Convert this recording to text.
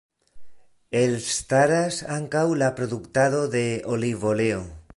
Elstaras ankaŭ la produktado de olivoleo.